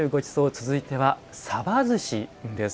続いては、さばずしです。